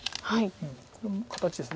これも形です。